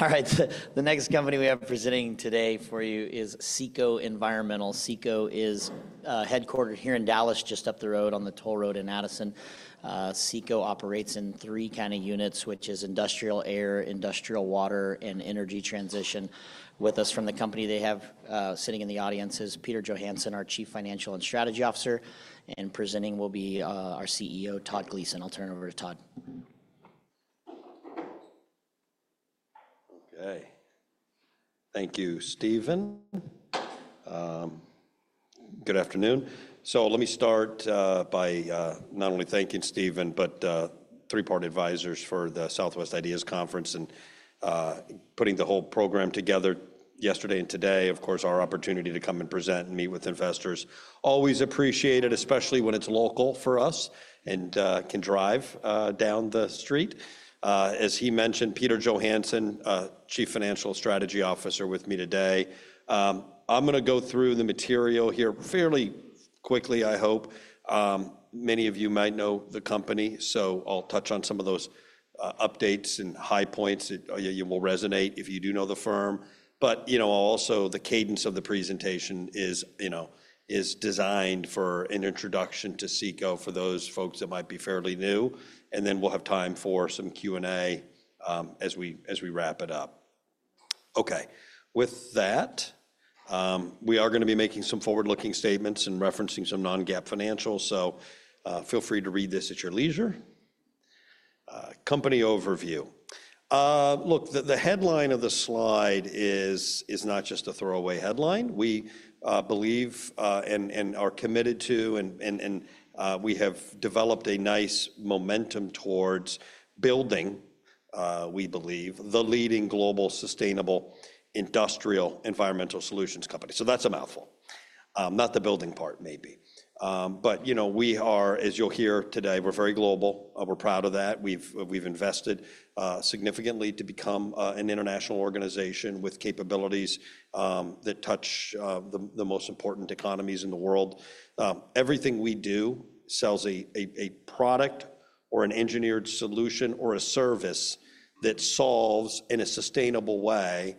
All right, the next company we have presenting today for you is CECO Environmental. CECO is headquartered here in Dallas, just up the road on the toll road in Addison. CECO operates in three kinds of units, which are industrial air, industrial water, and energy transition. With us from the company they have sitting in the audience is Peter Johansson, our Chief Financial and Strategy Officer, and presenting will be our CEO, Todd Gleason. I'll turn it over to Todd. Okay, thank you, Steven. Good afternoon. Let me start by not only thanking Steven, but Three Part Advisors for the Southwest IDEAS Conference and putting the whole program together yesterday and today. Of course, our opportunity to come and present and meet with investors is always appreciated, especially when it's local for us and can drive down the street. As he mentioned, Peter Johansson, Chief Financial and Strategy Officer, is with me today. I'm going to go through the material here fairly quickly, I hope. Many of you might know the company, so I'll touch on some of those updates and high points. You will resonate if you do know the firm. But, you know, also the cadence of the presentation is, you know, designed for an introduction to CECO for those folks that might be fairly new. Then we'll have time for some Q&A as we wrap it up. Okay, with that, we are going to be making some forward-looking statements and referencing some Non-GAAP financials. So feel free to read this at your leisure. Company overview. Look, the headline of the slide is not just a throwaway headline. We believe and are committed to, and we have developed a nice momentum towards building, we believe, the leading global sustainable industrial environmental solutions company. So that's a mouthful. Not the building part, maybe. But, you know, we are, as you'll hear today, we're very global. We're proud of that. We've invested significantly to become an international organization with capabilities that touch the most important economies in the world. Everything we do sells a product or an engineered solution or a service that solves in a sustainable way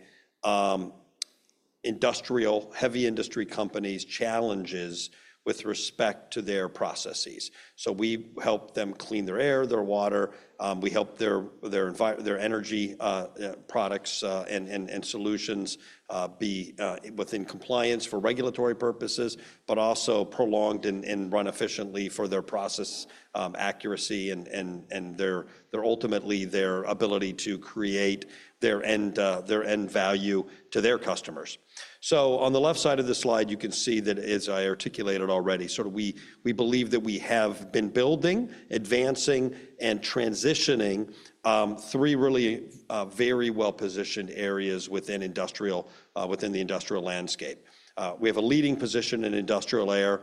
industrial, heavy industry companies' challenges with respect to their processes. So we help them clean their air, their water. We help their energy products and solutions be within compliance for regulatory purposes, but also prolonged and run efficiently for their process accuracy and ultimately their ability to create their end value to their customers, so on the left side of the slide, you can see that, as I articulated already, sort of we believe that we have been building, advancing, and transitioning three really very well-positioned areas within the industrial landscape. We have a leading position in industrial air.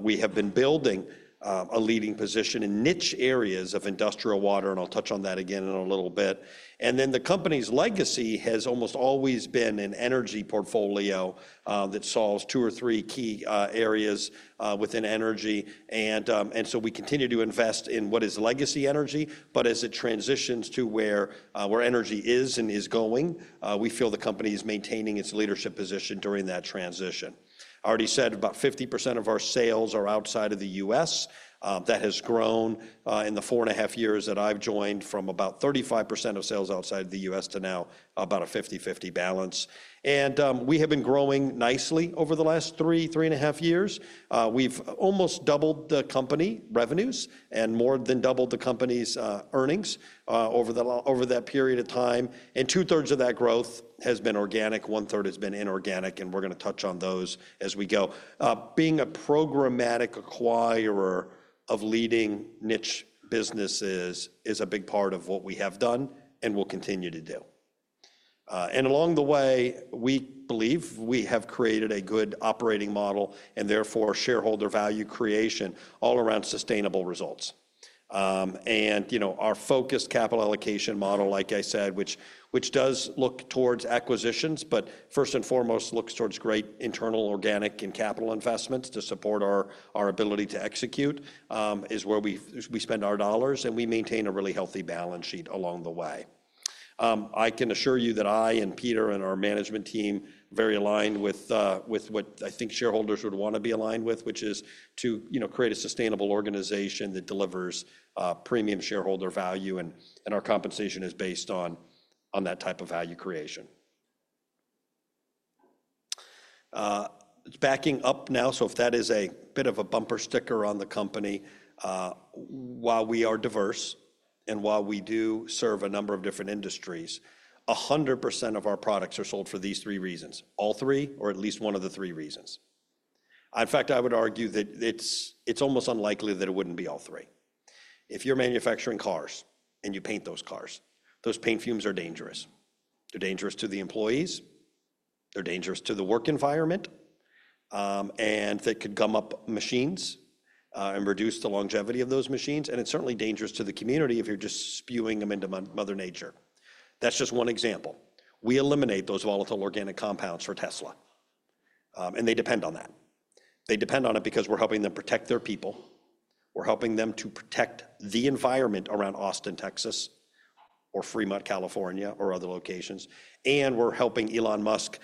We have been building a leading position in niche areas of industrial water, and I'll touch on that again in a little bit, and then the company's legacy has almost always been an energy portfolio that solves two or three key areas within energy, and so we continue to invest in what is legacy energy. But as it transitions to where energy is and is going, we feel the company is maintaining its leadership position during that transition. I already said about 50% of our sales are outside of the U.S. That has grown in the four and a half years that I've joined from about 35% of sales outside of the U.S. to now about a 50/50 balance. And we have been growing nicely over the last three, three and a half years. We've almost doubled the company revenues and more than doubled the company's earnings over that period of time. And two-thirds of that growth has been organic, one-third has been inorganic, and we're going to touch on those as we go. Being a programmatic acquirer of leading niche businesses is a big part of what we have done and will continue to do. And along the way, we believe we have created a good operating model and therefore shareholder value creation all around sustainable results. And, you know, our focused capital allocation model, like I said, which does look towards acquisitions, but first and foremost looks towards great internal organic and capital investments to support our ability to execute, is where we spend our dollars and we maintain a really healthy balance sheet along the way. I can assure you that I and Peter and our management team are very aligned with what I think shareholders would want to be aligned with, which is to create a sustainable organization that delivers premium shareholder value, and our compensation is based on that type of value creation. Backing up now, so if that is a bit of a bumper sticker on the company, while we are diverse and while we do serve a number of different industries, 100% of our products are sold for these three reasons. All three, or at least one of the three reasons. In fact, I would argue that it's almost unlikely that it wouldn't be all three. If you're manufacturing cars and you paint those cars, those paint fumes are dangerous. They're dangerous to the employees. They're dangerous to the work environment. And that could gum up machines and reduce the longevity of those machines. And it's certainly dangerous to the community if you're just spewing them into Mother Nature. That's just one example. We eliminate those volatile organic compounds for Tesla. And they depend on that. They depend on it because we're helping them protect their people. We're helping them to protect the environment around Austin, Texas, or Fremont, California, or other locations, and we're helping Elon Musk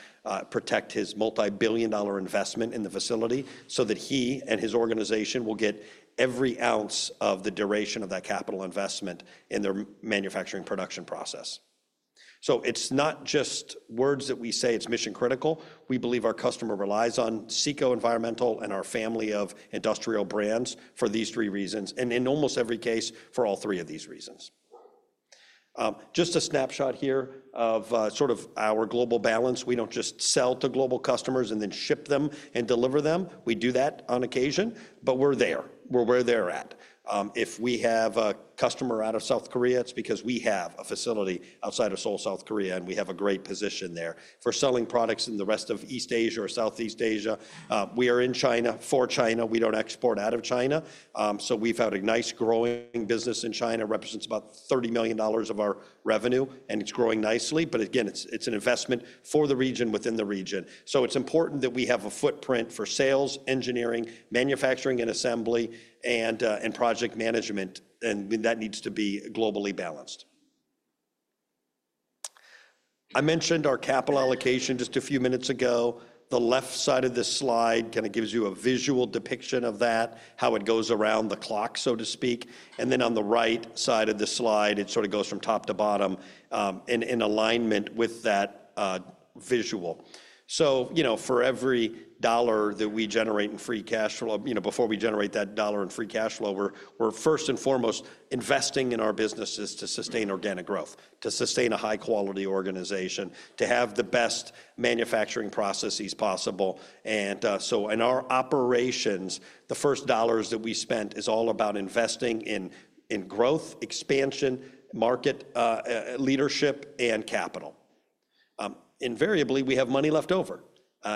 protect his multi-billion-dollar investment in the facility so that he and his organization will get every ounce of the duration of that capital investment in their manufacturing production process, so it's not just words that we say, it's mission critical. We believe our customer relies on CECO Environmental and our family of industrial brands for these three reasons, and in almost every case for all three of these reasons. Just a snapshot here of sort of our global balance. We don't just sell to global customers and then ship them and deliver them. We do that on occasion, but we're there. We're where they're at. If we have a customer out of South Korea, it's because we have a facility outside of Seoul, South Korea, and we have a great position there for selling products in the rest of East Asia or Southeast Asia. We are in China, for China. We don't export out of China, so we've had a nice growing business in China. It represents about $30 million of our revenue, and it's growing nicely, but again, it's an investment for the region within the region. It's important that we have a footprint for sales, engineering, manufacturing and assembly, and project management, and that needs to be globally balanced. I mentioned our capital allocation just a few minutes ago. The left side of this slide kind of gives you a visual depiction of that, how it goes around the clock, so to speak. And then on the right side of the slide, it sort of goes from top to bottom in alignment with that visual. So, you know, for every $1 that we generate in free cash flow, you know, before we generate that $1 in free cash flow, we're first and foremost investing in our businesses to sustain organic growth, to sustain a high-quality organization, to have the best manufacturing processes possible. And so in our operations, the first dollars that we spent is all about investing in growth, expansion, market leadership, and capital. Invariably, we have money left over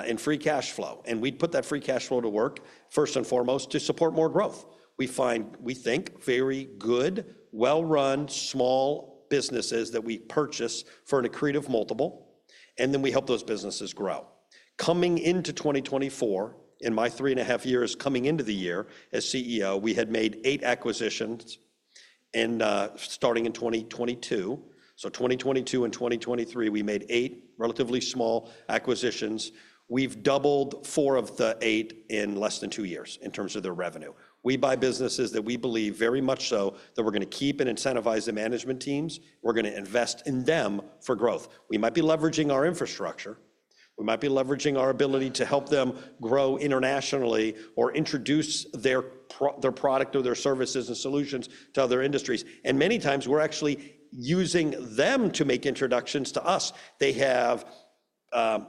in free cash flow. And we'd put that free cash flow to work, first and foremost, to support more growth. We find, we think, very good, well-run small businesses that we purchase for an accretive multiple. And then we help those businesses grow. Coming into 2024, in my three and a half years coming into the year as CEO, we had made eight acquisitions, and starting in 2022, so 2022 and 2023, we made eight relatively small acquisitions. We've doubled four of the eight in less than two years in terms of their revenue. We buy businesses that we believe very much so that we're going to keep and incentivize the management teams. We're going to invest in them for growth. We might be leveraging our infrastructure. We might be leveraging our ability to help them grow internationally or introduce their product or their services and solutions to other industries. And many times we're actually using them to make introductions to us. They have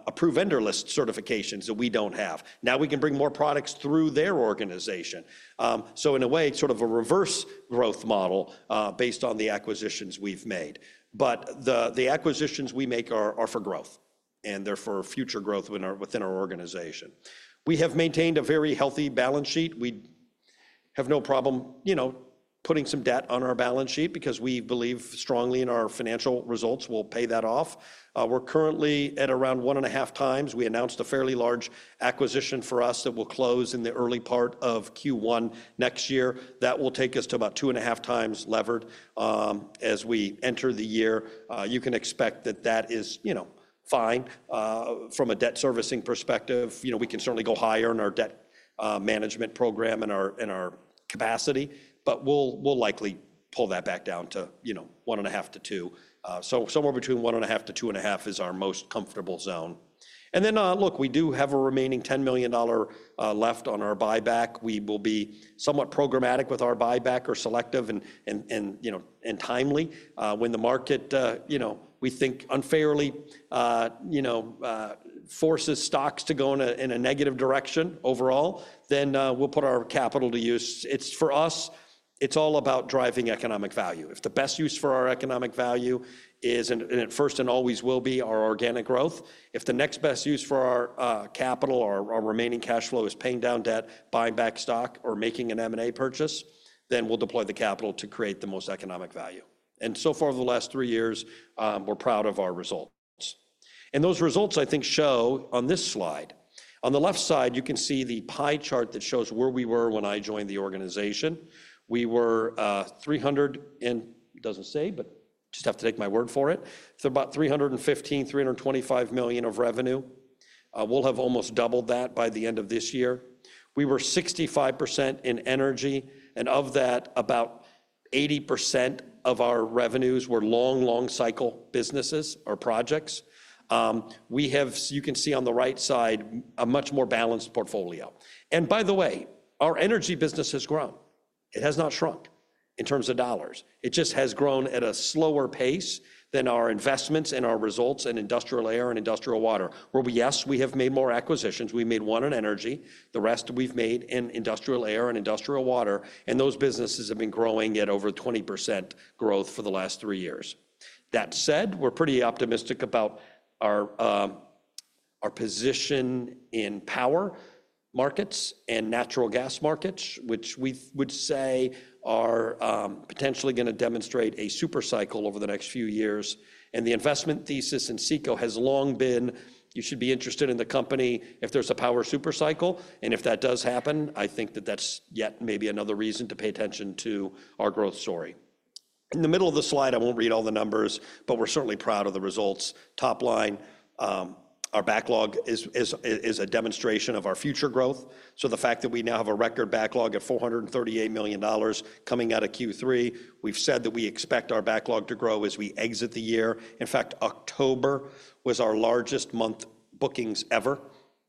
approved vendor list certifications that we don't have. Now we can bring more products through their organization. So in a way, it's sort of a reverse growth model based on the acquisitions we've made. But the acquisitions we make are for growth, and they're for future growth within our organization. We have maintained a very healthy balance sheet. We have no problem, you know, putting some debt on our balance sheet because we believe strongly in our financial results. We'll pay that off. We're currently at around one and a half times. We announced a fairly large acquisition for us that will close in the early part of Q1 next year. That will take us to about two and a half times levered as we enter the year. You can expect that is, you know, fine. From a debt servicing perspective, you know, we can certainly go higher in our debt management program and our capacity, but we'll likely pull that back down to, you know, one and a half to two. So somewhere between one and a half to two and a half is our most comfortable zone, and then, look, we do have a remaining $10 million left on our buyback. We will be somewhat programmatic with our buyback or selective and, you know, timely. When the market, you know, we think unfairly, you know, forces stocks to go in a negative direction overall, then we'll put our capital to use. It's for us, it's all about driving economic value. If the best use for our economic value is, and it first and always will be, our organic growth, if the next best use for our capital or our remaining cash flow is paying down debt, buying back stock, or making an M&A purchase, then we'll deploy the capital to create the most economic value. And so far over the last three years, we're proud of our results. And those results, I think, show on this slide. On the left side, you can see the pie chart that shows where we were when I joined the organization. We were 300 and doesn't say, but just have to take my word for it. So about $315-$325 million of revenue. We'll have almost doubled that by the end of this year. We were 65% in energy, and of that, about 80% of our revenues were long, long cycle businesses or projects. We have, you can see on the right side, a much more balanced portfolio, and by the way, our energy business has grown. It has not shrunk in terms of dollars. It just has grown at a slower pace than our investments and our results in industrial air and industrial water, where yes, we have made more acquisitions. We made one in energy. The rest we've made in industrial air and industrial water, and those businesses have been growing at over 20% growth for the last three years. That said, we're pretty optimistic about our position in power markets and natural gas markets, which we would say are potentially going to demonstrate a supercycle over the next few years, and the investment thesis in CECO has long been, you should be interested in the company if there's a power supercycle. And if that does happen, I think that that's yet maybe another reason to pay attention to our growth story. In the middle of the slide, I won't read all the numbers, but we're certainly proud of the results. Top line, our backlog is a demonstration of our future growth. So the fact that we now have a record backlog of $438 million coming out of Q3. We've said that we expect our backlog to grow as we exit the year. In fact, October was our largest month bookings ever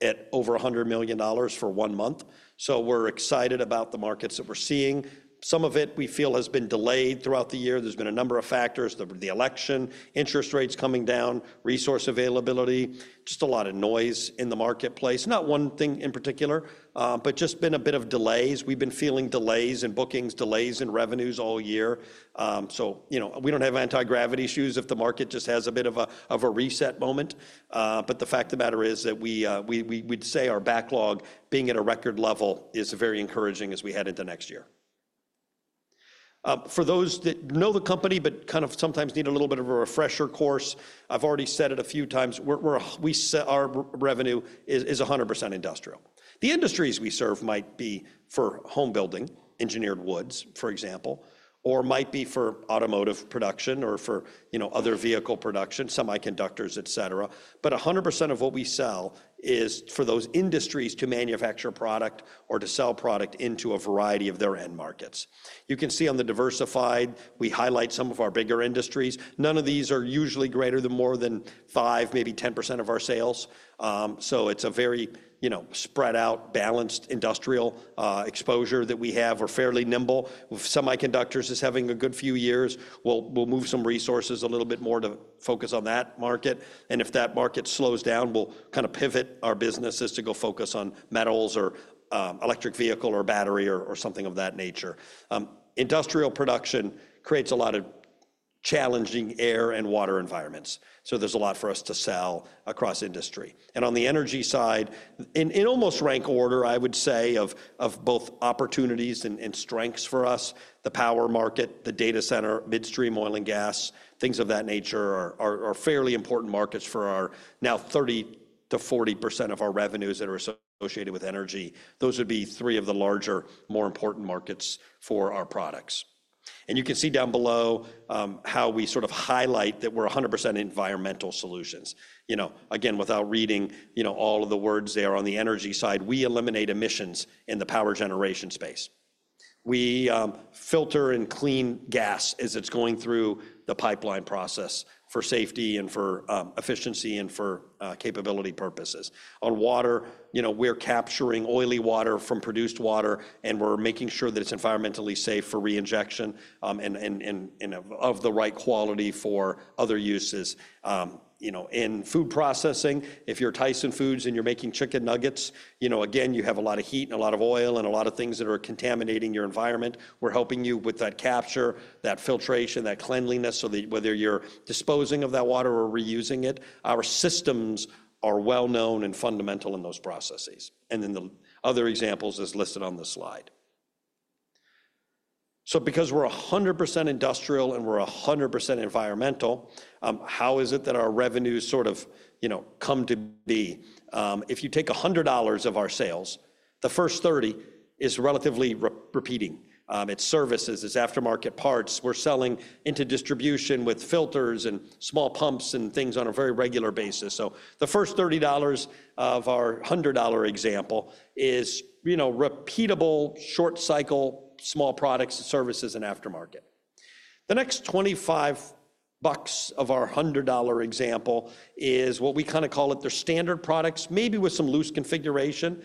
at over $100 million for one month. So we're excited about the markets that we're seeing. Some of it we feel has been delayed throughout the year. There's been a number of factors, the election, interest rates coming down, resource availability, just a lot of noise in the marketplace. Not one thing in particular, but just been a bit of delays. We've been feeling delays in bookings, delays in revenues all year. So, you know, we don't have anti-gravity shoes if the market just has a bit of a reset moment. But the fact of the matter is that we would say our backlog being at a record level is very encouraging as we head into next year. For those that know the company, but kind of sometimes need a little bit of a refresher course, I've already said it a few times. Our revenue is 100% industrial. The industries we serve might be for home building, engineered woods, for example, or might be for automotive production or for, you know, other vehicle production, semiconductors, et cetera. But 100% of what we sell is for those industries to manufacture product or to sell product into a variety of their end markets. You can see on the diversified, we highlight some of our bigger industries. None of these are usually greater than more than five, maybe 10% of our sales. So it's a very, you know, spread out, balanced industrial exposure that we have or fairly nimble. Semiconductors is having a good few years. We'll move some resources a little bit more to focus on that market. And if that market slows down, we'll kind of pivot our businesses to go focus on metals or electric vehicle or battery or something of that nature. Industrial production creates a lot of challenging air and water environments. So there's a lot for us to sell across industry. And on the energy side, in almost rank order, I would say of both opportunities and strengths for us, the power market, the data center, midstream oil and gas, things of that nature are fairly important markets for our now 30%-40% of our revenues that are associated with energy. Those would be three of the larger, more important markets for our products. And you can see down below how we sort of highlight that we're 100% environmental solutions. You know, again, without reading, you know, all of the words there on the energy side, we eliminate emissions in the power generation space. We filter and clean gas as it's going through the pipeline process for safety and for efficiency and for capability purposes. On water, you know, we're capturing oily water from produced water, and we're making sure that it's environmentally safe for reinjection and of the right quality for other uses. You know, in food processing, if you're Tyson Foods and you're making chicken nuggets, you know, again, you have a lot of heat and a lot of oil and a lot of things that are contaminating your environment. We're helping you with that capture, that filtration, that cleanliness, so that whether you're disposing of that water or reusing it, our systems are well known and fundamental in those processes, and then the other examples as listed on the slide. So because we're 100% industrial and we're 100% environmental, how is it that our revenues sort of, you know, come to be? If you take $100 of our sales, the first 30 is relatively repeating. It's services, it's aftermarket parts. We're selling into distribution with filters and small pumps and things on a very regular basis, so the first $30 of our $100 example is, you know, repeatable, short cycle, small products and services and aftermarket. The next $25 of our $100 example is what we kind of call it the standard products, maybe with some loose configuration,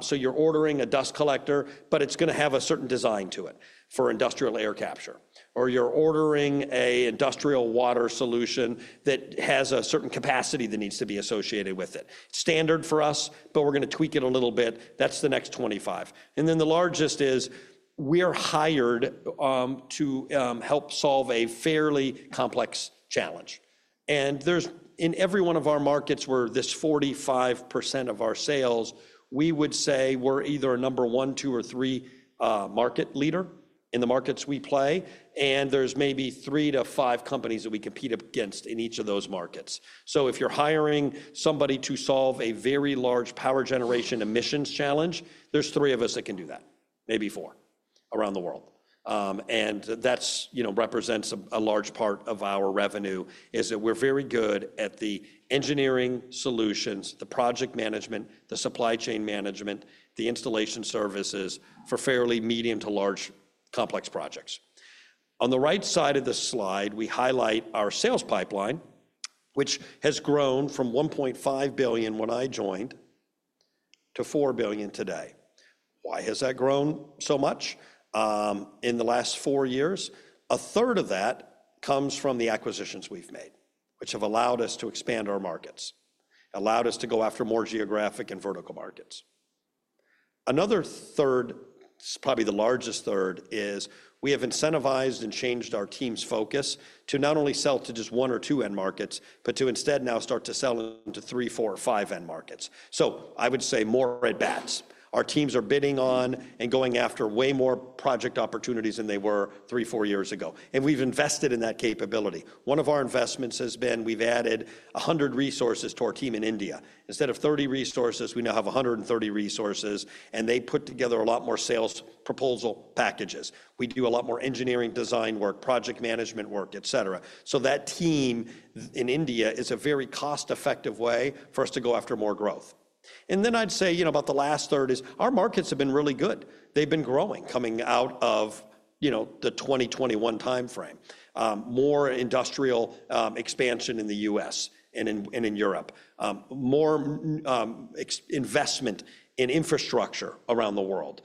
so you're ordering a dust collector, but it's going to have a certain design to it for industrial air capture. Or you're ordering an industrial water solution that has a certain capacity that needs to be associated with it. Standard for us, but we're going to tweak it a little bit. That's the next 25, and then the largest is we're hired to help solve a fairly complex challenge. There's in every one of our markets where this 45% of our sales, we would say we're either a number one, two, or three market leader in the markets we play, and there's maybe three to five companies that we compete against in each of those markets. So if you're hiring somebody to solve a very large power generation emissions challenge, there's three of us that can do that, maybe four around the world. And that's, you know, represents a large part of our revenue is that we're very good at the engineering solutions, the project management, the supply chain management, the installation services for fairly medium to large complex projects. On the right side of the slide, we highlight our sales pipeline, which has grown from $1.5 billion when I joined to $4 billion today. Why has that grown so much in the last four years? A third of that comes from the acquisitions we've made, which have allowed us to expand our markets, allowed us to go after more geographic and vertical markets. Another third, it's probably the largest third, is we have incentivized and changed our team's focus to not only sell to just one or two end markets, but to instead now start to sell them to three, four, or five end markets. So I would say more RFPs. Our teams are bidding on and going after way more project opportunities than they were three, four years ago. And we've invested in that capability. One of our investments has been we've added 100 resources to our team in India. Instead of 30 resources, we now have 130 resources, and they put together a lot more sales proposal packages. We do a lot more engineering design work, project management work, et cetera. So that team in India is a very cost-effective way for us to go after more growth. And then I'd say, you know, about the last third is our markets have been really good. They've been growing coming out of, you know, the 2021 timeframe. More industrial expansion in the U.S. and in Europe. More investment in infrastructure around the world.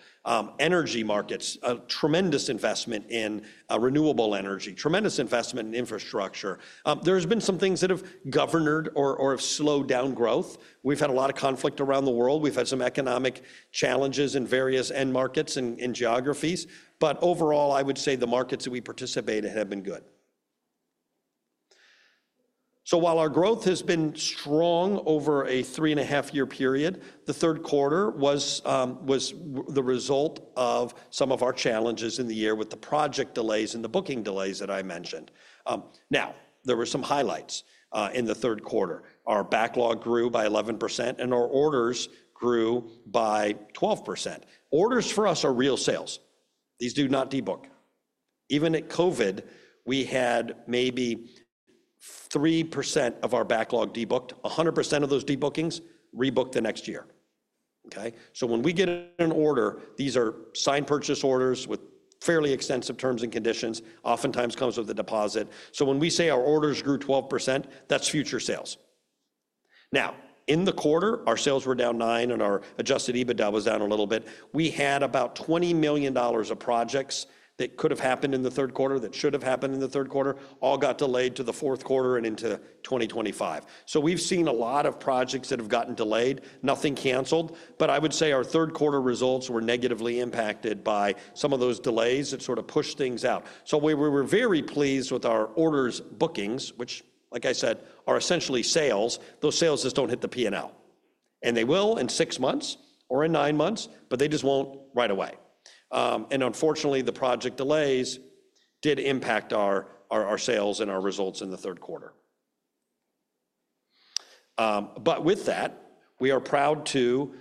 Energy markets, a tremendous investment in renewable energy, tremendous investment in infrastructure. There's been some things that have governed or have slowed down growth. We've had a lot of conflict around the world. We've had some economic challenges in various end markets and geographies. But overall, I would say the markets that we participated have been good. While our growth has been strong over a three and a half year period, the Q3 was the result of some of our challenges in the year with the project delays and the booking delays that I mentioned. Now, there were some highlights in the Q3. Our backlog grew by 11% and our orders grew by 12%. Orders for us are real sales. These do not debook. Even at COVID, we had maybe 3% of our backlog debooked. 100% of those debookings rebooked the next year. Okay? When we get an order, these are signed purchase orders with fairly extensive terms and conditions, oftentimes comes with a deposit. So when we say our orders grew 12%, that's future sales. Now, in the quarter, our sales were down 9% and our Adjusted EBITDA was down a little bit. We had about $20 million of projects that could have happened in the Q3, that should have happened in the Q3, all got delayed to the Q4 and into 2025, so we've seen a lot of projects that have gotten delayed, nothing canceled, but I would say our Q3 results were negatively impacted by some of those delays that sort of pushed things out, so we were very pleased with our orders bookings, which, like I said, are essentially sales. Those sales just don't hit the P&L, and they will in six months or in nine months, but they just won't right away, and unfortunately, the project delays did impact our sales and our results in the Q3, but with that, we are proud to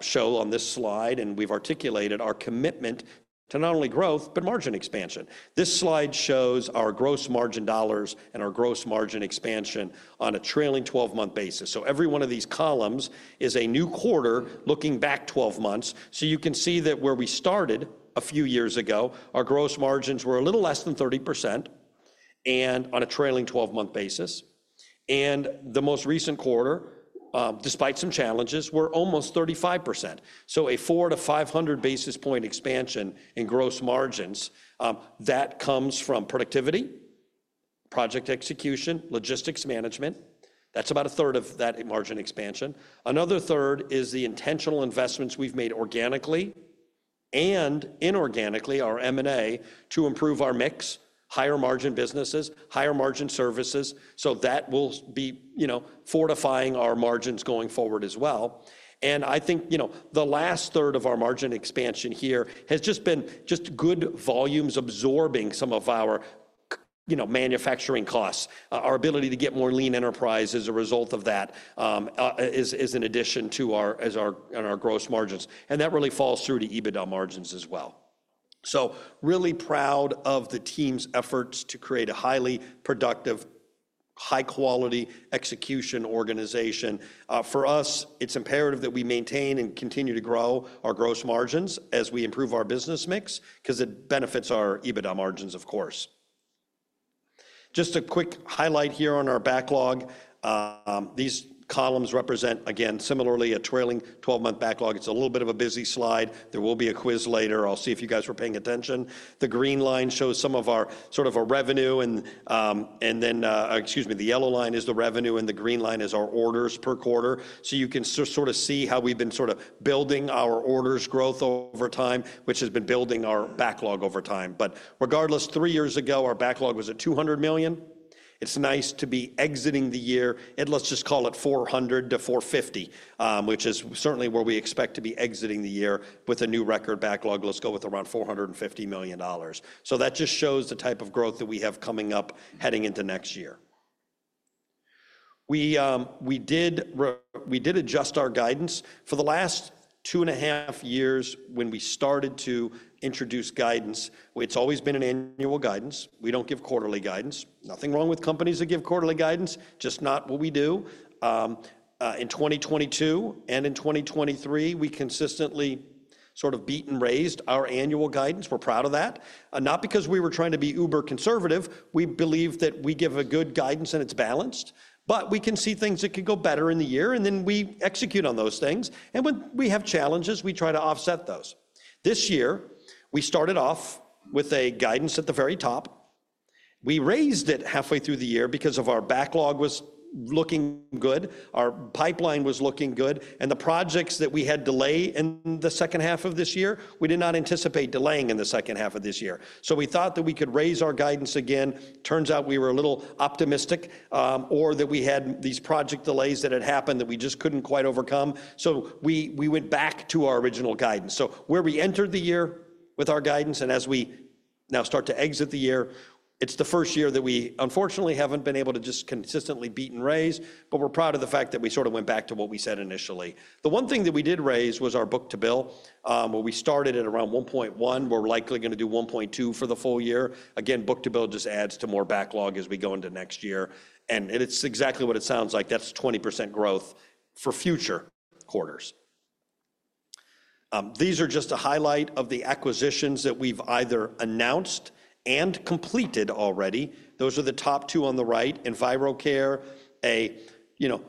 show on this slide, and we've articulated our commitment to not only growth, but margin expansion. This slide shows our gross margin dollars and our gross margin expansion on a trailing 12-month basis. So every one of these columns is a new quarter looking back 12 months. So you can see that where we started a few years ago, our gross margins were a little less than 30% on a trailing 12-month basis. And the most recent quarter, despite some challenges, were almost 35%. So a four to 500 basis points expansion in gross margins, that comes from productivity, project execution, logistics management. That's about a third of that margin expansion. Another third is the intentional investments we've made organically and inorganically, our M&A to improve our mix, higher margin businesses, higher margin services. So that will be, you know, fortifying our margins going forward as well. I think, you know, the last third of our margin expansion here has just been just good volumes absorbing some of our, you know, manufacturing costs. Our ability to get more lean enterprise as a result of that is in addition to our gross margins. And that really falls through to EBITDA margins as well. So really proud of the team's efforts to create a highly productive, high-quality execution organization. For us, it's imperative that we maintain and continue to grow our gross margins as we improve our business mix because it benefits our EBITDA margins, of course. Just a quick highlight here on our backlog. These columns represent, again, similarly a trailing 12-month backlog. It's a little bit of a busy slide. There will be a quiz later. I'll see if you guys were paying attention. The green line shows some of our sort of revenue. And then, excuse me, the yellow line is the revenue and the green line is our orders per quarter. So you can sort of see how we've been sort of building our orders growth over time, which has been building our backlog over time. But regardless, three years ago, our backlog was at $200 million. It's nice to be exiting the year. And let's just call it $400 million-$450 million, which is certainly where we expect to be exiting the year with a new record backlog. Let's go with around $450 million. So that just shows the type of growth that we have coming up heading into next year. We did adjust our guidance. For the last two and a half years when we started to introduce guidance, it's always been an annual guidance. We don't give quarterly guidance. Nothing wrong with companies that give quarterly guidance, just not what we do. In 2022 and in 2023, we consistently sort of beat and raised our annual guidance. We're proud of that. Not because we were trying to be uber conservative. We believe that we give a good guidance and it's balanced. But we can see things that could go better in the year, and then we execute on those things. And when we have challenges, we try to offset those. This year, we started off with a guidance at the very top. We raised it halfway through the year because our backlog was looking good. Our pipeline was looking good. And the projects that we had delay in the second half of this year, we did not anticipate delaying in the second half of this year. So we thought that we could raise our guidance again. Turns out we were a little optimistic or that we had these project delays that had happened that we just couldn't quite overcome. So we went back to our original guidance. So where we entered the year with our guidance and as we now start to exit the year, it's the first year that we unfortunately haven't been able to just consistently beat and raise, but we're proud of the fact that we sort of went back to what we said initially. The one thing that we did raise was our book-to-bill. Where we started at around 1.1, we're likely going to do 1.2 for the full year. Again, book-to-bill just adds to more backlog as we go into next year, and it's exactly what it sounds like. That's 20% growth for future quarters. These are just a highlight of the acquisitions that we've either announced and completed already. Those are the top two on the right. In EnviroCare, you know,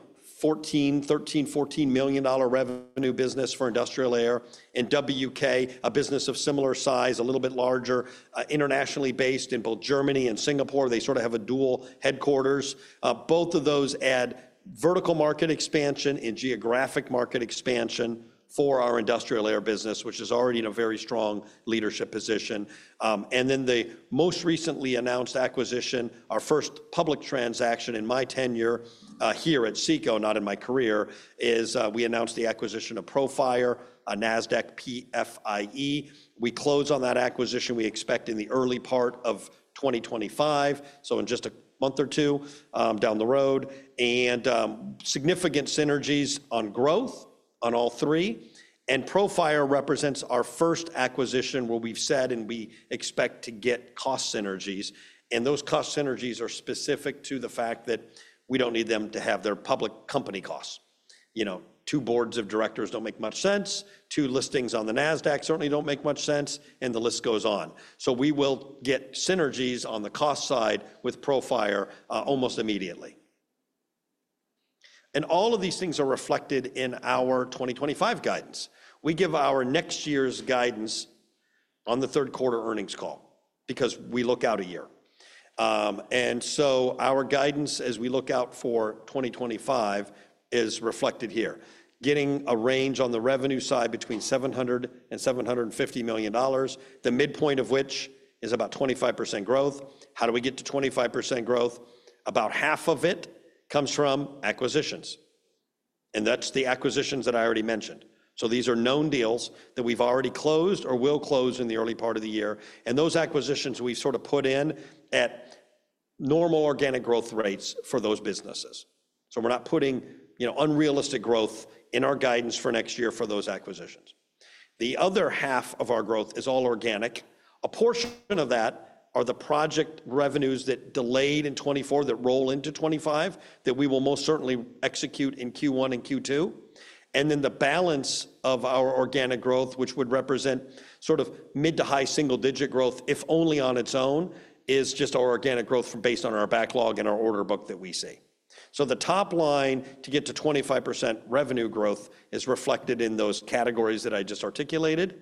$13-$14 million-dollar revenue business for industrial air. In WK, a business of similar size, a little bit larger, internationally based in both Germany and Singapore. They sort of have a dual headquarters. Both of those add vertical market expansion and geographic market expansion for our industrial air business, which is already in a very strong leadership position. And then the most recently announced acquisition, our first public transaction in my tenure here at CECO, not in my career, is we announced the acquisition of Profire, a Nasdaq PFIE. We closed on that acquisition. We expect in the early part of 2025, so in just a month or two down the road. And significant synergies on growth on all three. And Profire represents our first acquisition where we've said and we expect to get cost synergies. And those cost synergies are specific to the fact that we don't need them to have their public company costs. You know, two boards of directors don't make much sense. Two listings on the Nasdaq certainly don't make much sense. And the list goes on. So we will get synergies on the cost side with Profire almost immediately. And all of these things are reflected in our 2025 guidance. We give our next year's guidance on the Q3 earnings call because we look out a year. And so our guidance as we look out for 2025 is reflected here. Getting a range on the revenue side between $700 million and $750 million, the midpoint of which is about 25% growth. How do we get to 25% growth? About half of it comes from acquisitions. And that's the acquisitions that I already mentioned. So these are known deals that we've already closed or will close in the early part of the year. And those acquisitions we sort of put in at normal organic growth rates for those businesses. So we're not putting, you know, unrealistic growth in our guidance for next year for those acquisitions. The other half of our growth is all organic. A portion of that are the project revenues that delayed in 2024 that roll into 2025 that we will most certainly execute in Q1 and Q2. And then the balance of our organic growth, which would represent sort of mid to high single digit growth, if only on its own, is just our organic growth based on our backlog and our order book that we see. So the top line to get to 25% revenue growth is reflected in those categories that I just articulated.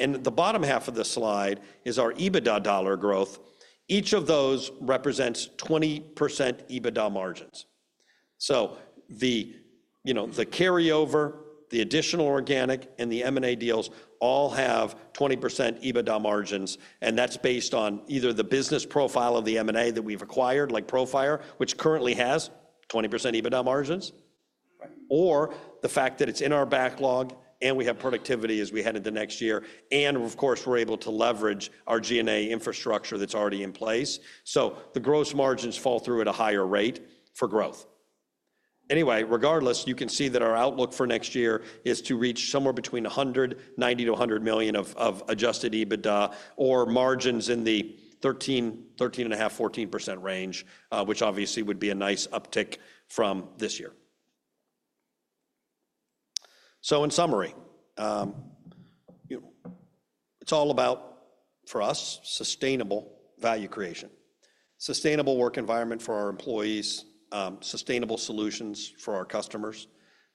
And the bottom half of the slide is our EBITDA dollar growth. Each of those represents 20% EBITDA margins. So the, you know, the carryover, the additional organic, and the M&A deals all have 20% EBITDA margins. And that's based on either the business profile of the M&A that we've acquired, like Profire, which currently has 20% EBITDA margins, or the fact that it's in our backlog and we have productivity as we head into next year. And of course, we're able to leverage our G&A infrastructure that's already in place. So the gross margins fall through at a higher rate for growth. Anyway, regardless, you can see that our outlook for next year is to reach somewhere between $100 million-$190 million of Adjusted EBITDA or margins in the 13%, 13.5%, 14% range, which obviously would be a nice uptick from this year, so in summary, it's all about, for us, sustainable value creation. Sustainable work environment for our employees, sustainable solutions for our customers,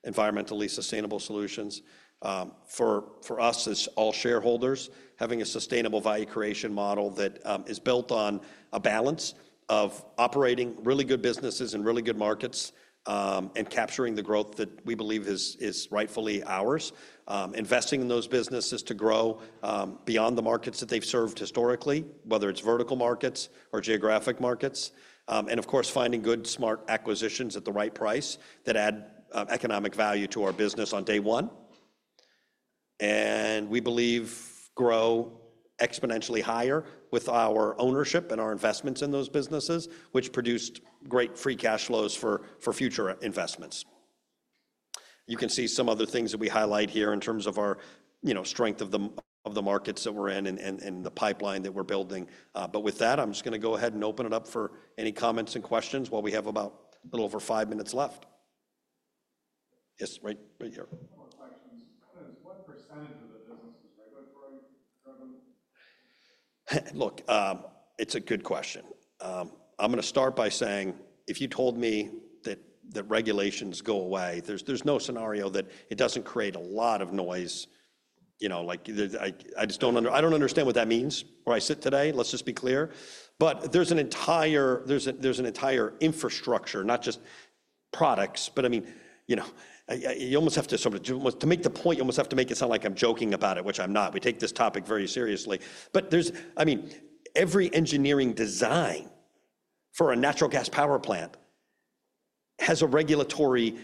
environmentally sustainable solutions. For us as all shareholders, having a sustainable value creation model that is built on a balance of operating really good businesses in really good markets and capturing the growth that we believe is rightfully ours. Investing in those businesses to grow beyond the markets that they've served historically, whether it's vertical markets or geographic markets. And of course, finding good smart acquisitions at the right price that add economic value to our business on day one. And we believe grow exponentially higher with our ownership and our investments in those businesses, which produced great free cash flows for future investments. You can see some other things that we highlight here in terms of our, you know, strength of the markets that we're in and the pipeline that we're building. But with that, I'm just going to go ahead and open it up for any comments and questions while we have about a little over five minutes left. Yes, right here. What percentage of the business is regulatory? Look, it's a good question. I'm going to start by saying if you told me that regulations go away, there's no scenario that it doesn't create a lot of noise. You know, like I just don't understand what that means where I sit today. Let's just be clear. But there's an entire infrastructure, not just products, but I mean, you know, you almost have to sort of to make the point, you almost have to make it sound like I'm joking about it, which I'm not. We take this topic very seriously. But there's, I mean, every engineering design for a natural gas power plant has a regulatory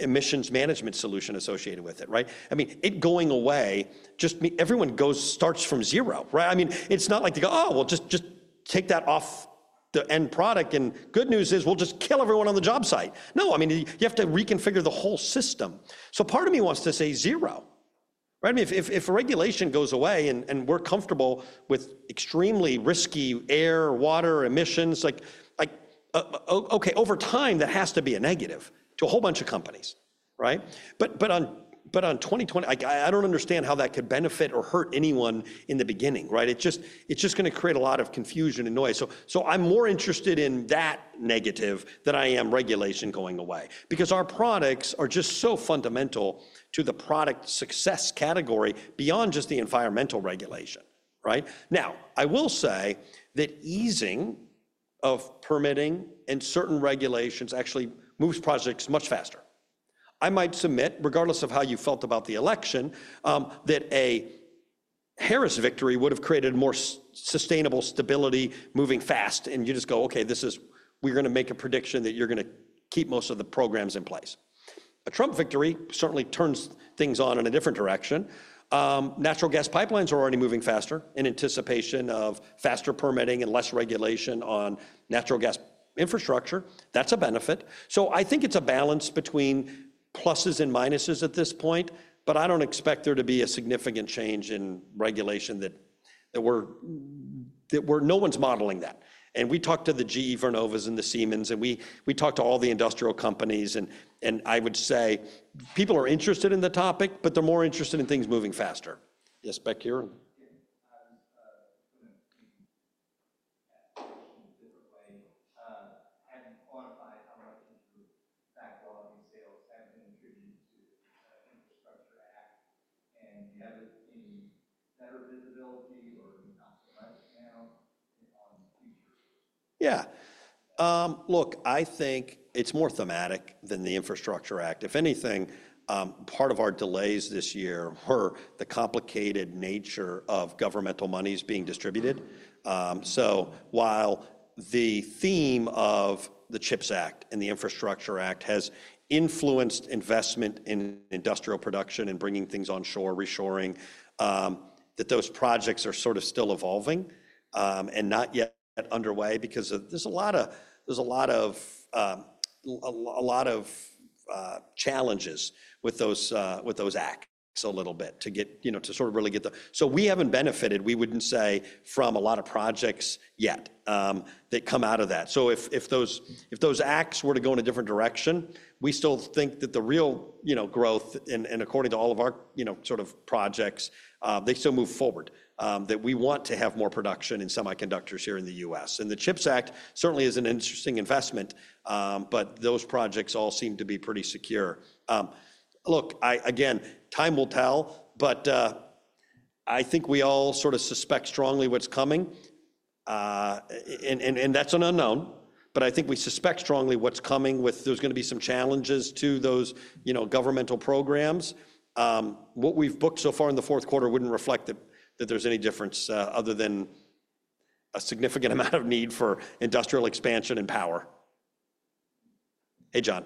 emissions management solution associated with it, right? I mean, it going away, just everyone goes starts from zero, right? I mean, it's not like they go, "Oh, well, just take that off the end product and good news is we'll just kill everyone on the job site." No, I mean, you have to reconfigure the whole system. So part of me wants to say zero, right? I mean, if a regulation goes away and we're comfortable with extremely risky air, water emissions, like, okay, over time, that has to be a negative to a whole bunch of companies, right? But on 2020, I don't understand how that could benefit or hurt anyone in the beginning, right? It's just going to create a lot of confusion and noise. So I'm more interested in that negative than I am regulation going away because our products are just so fundamental to the product success category beyond just the environmental regulation, right? Now, I will say that easing of permitting and certain regulations actually moves projects much faster. I might submit, regardless of how you felt about the election, that a Harris victory would have created more sustainable stability moving fast. You just go, "Okay, this is we're going to make a prediction that you're going to keep most of the programs in place." A Trump victory certainly turns things on in a different direction. Natural gas pipelines are already moving faster in anticipation of faster permitting and less regulation on natural gas infrastructure. That's a benefit. So I think it's a balance between pluses and minuses at this point. But I don't expect there to be a significant change in regulation that no one's modeling that. And we talked to the GE Vernovas and the Siemens, and we talked to all the industrial companies. And I would say people are interested in the topic, but they're more interested in things moving faster. Yes, Beck here. I was going to ask a different way. Have you quantified how much of your backlog in sales has been attributed to the Infrastructure Act? And do you have any better visibility or not so much now on future? Yeah. Look, I think it's more thematic than the Infrastructure Act. If anything, part of our delays this year were the complicated nature of governmental monies being distributed. So while the theme of the CHIPS Act and the Infrastructure Act has influenced investment in industrial production and bringing things onshore, reshoring, that those projects are sort of still evolving and not yet underway because there's a lot of challenges with those acts a little bit to get, you know, to sort of really get the... So we haven't benefited, we wouldn't say, from a lot of projects yet that come out of that. So if those acts were to go in a different direction, we still think that the real, you know, growth and according to all of our, you know, sort of projects, they still move forward, that we want to have more production in semiconductors here in the U.S. And the CHIPS Act certainly is an interesting investment, but those projects all seem to be pretty secure. Look, again, time will tell, but I think we all sort of suspect strongly what's coming. And that's an unknown, but I think we suspect strongly what's coming with there's going to be some challenges to those, you know, governmental programs. What we've booked so far in the Q4 wouldn't reflect that there's any difference other than a significant amount of need for industrial expansion and power. Hey, John.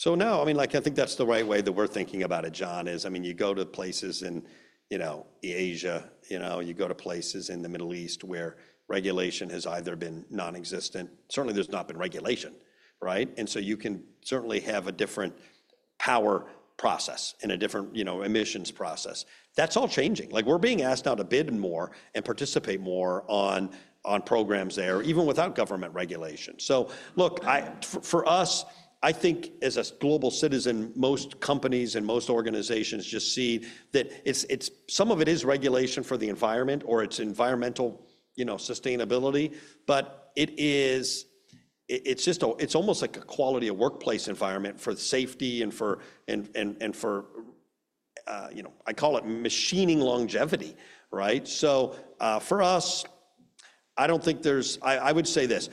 What do you... Kind of going back to the first question about regulations, what do you see, if anything, going on internationally in the areas we all see destroying affordable air conditioning in China and the US? Do you see that driving business potential in those areas, not so much because of regulation in those areas, but just the desire or need seeing that? No, I mean, like, I think that's the right way that we're thinking about it, John. I mean, you go to places in, you know, Asia, you know, you go to places in the Middle East where regulation has either been nonexistent. Certainly, there's not been regulation, right? And so you can certainly have a different power process and a different, you know, emissions process. That's all changing. Like we're being asked now to bid more and participate more on programs there, even without government regulation. So look, for us, I think as a global citizen, most companies and most organizations just see that it's some of it is regulation for the environment or it's environmental, you know, sustainability, but it is. It's just. It's almost like a quality of workplace environment for safety and for you know, I call it machining longevity, right? So for us, I don't think there's. I would say this.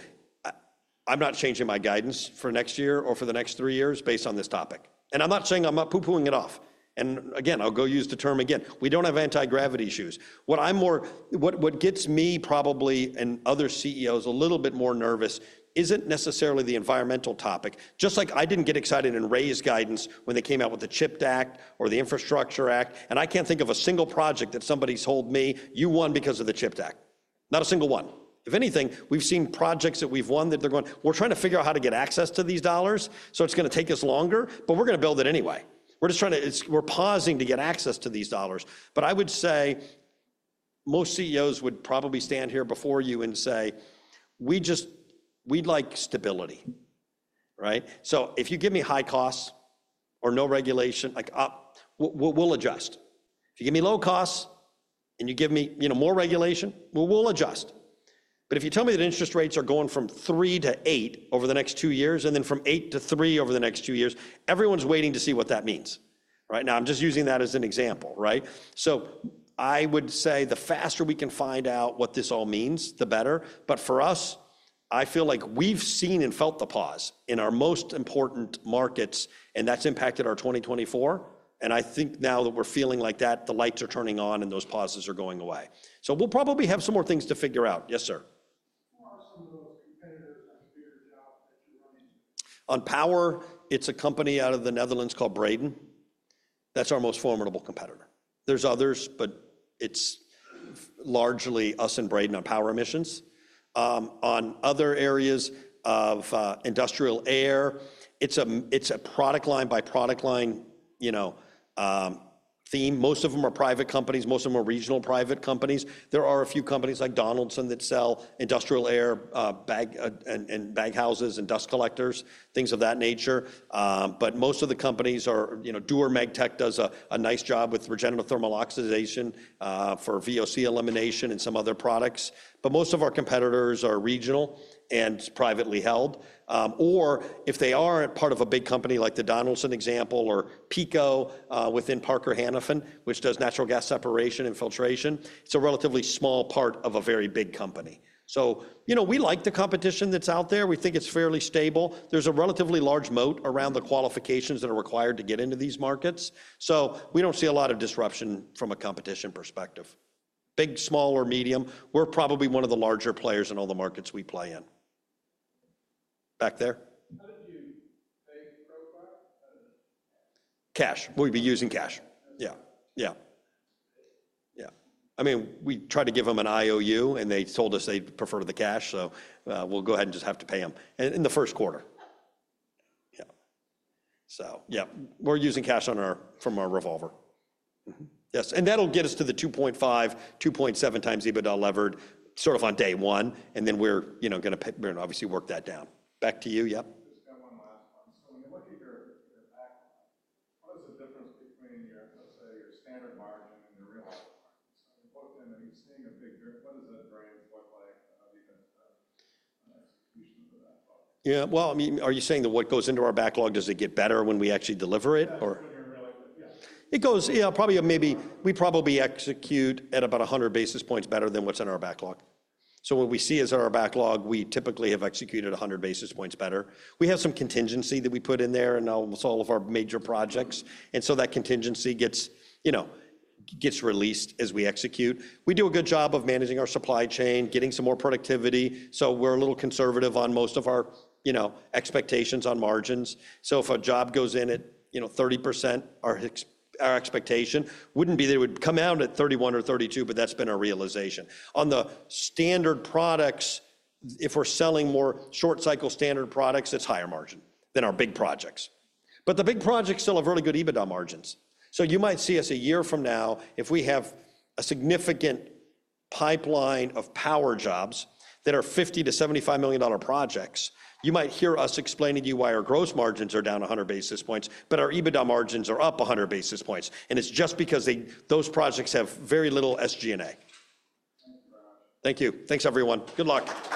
I'm not changing my guidance for next year or for the next three years based on this topic. And I'm not saying I'm not poo-pooing it off. And again, I'll go use the term again. We don't have anti-gravity shoes. What I'm more what gets me probably and other CEOs a little bit more nervous isn't necessarily the environmental topic. Just like I didn't get excited and raise guidance when they came out with the CHIPS Act or the Infrastructure Act. And I can't think of a single project that somebody's told me, "You won because of the CHIPS Act." Not a single one. If anything, we've seen projects that we've won that they're going... we're trying to figure out how to get access to these dollars. So it's going to take us longer, but we're going to build it anyway. We're just trying to... we're pausing to get access to these dollars. But I would say most CEOs would probably stand here before you and say, "We just... we'd like stability," right? So if you give me high costs or no regulation, like, we'll adjust. If you give me low costs and you give me, you know, more regulation, we'll adjust. But if you tell me that interest rates are going from three to eight over the next two years and then from eight to three over the next two years, everyone's waiting to see what that means, right? Now, I'm just using that as an example, right? So I would say the faster we can find out what this all means, the better. But for us, I feel like we've seen and felt the pause in our most important markets, and that's impacted our 2024. And I think now that we're feeling like that, the lights are turning on and those pauses are going away. So we'll probably have some more things to figure out. Yes, sir. Who are some of those competitors on your job that you're running? On power, it's a company out of the Netherlands called Braden. That's our most formidable competitor. are others, but it's largely us and Braden on power emissions. On other areas of industrial air, it's a product line, by product line, you know, theme. Most of them are private companies. Most of them are regional private companies. There are a few companies like Donaldson that sell industrial air baghouses and dust collectors, things of that nature. But most of the companies are, you know, Dürr Megtec does a nice job with regenerative thermal oxidation for VOC elimination and some other products. But most of our competitors are regional and privately held. Or if they are part of a big company like the Donaldson example or PECO within Parker Hannifin, which does natural gas separation and filtration, it's a relatively small part of a very big company. So, you know, we like the competition that's out there. We think it's fairly stable. There's a relatively large moat around the qualifications that are required to get into these markets. So we don't see a lot of disruption from a competition perspective. Big, small, or medium, we're probably one of the larger players in all the markets we play in. Back there. How did you pay for it? Cash. We'll be using cash. I mean, we tried to give them an IOU and they told us they preferred the cash. So we'll go ahead and just have to pay them in the first quarter. So yeah, we're using cash from our revolver. Yes. And that'll get us to the 2.5-2.7 times EBITDA levered sort of on day one. And then we're, you know, going to obviously work that down. Back to you. Yep. Just got one last one. So when you look at your backlog, what is the difference between, let's say, your standard margin and your real margin? So you booked them and you're seeing a big difference. What does that range look like of even execution of the backlog? Yeah. Well, I mean, are you saying that what goes into our backlog, does it get better when we actually deliver it? Yeah. It goes, yeah, probably we execute at about 100 basis points better than what's in our backlog. So what we see is in our backlog, we typically have executed 100 basis points better. We have some contingency that we put in there and now with all of our major projects. And so that contingency gets, you know, gets released as we execute. We do a good job of managing our supply chain, getting some more productivity. So we're a little conservative on most of our, you know, expectations on margins. So if a job goes in at, you know, 30%, our expectation wouldn't be that it would come out at 31% or 32%, but that's been our realization. On the standard products, if we're selling more short cycle standard products, it's higher margin than our big projects. But the big projects still have really good EBITDA margins. So you might see us a year from now, if we have a significant pipeline of power jobs that are $50 million-$75 million projects, you might hear us explaining to you why our gross margins are down 100 basis points, but our EBITDA margins are up 100 basis points. And it's just because those projects have very little SG&A. Thank you very much. Thank you. Thanks, everyone. Good luck.